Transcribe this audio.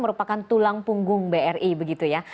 merupakan tulang punggung bri begitu ya